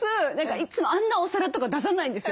いつもあんなお皿とか出さないんですよ。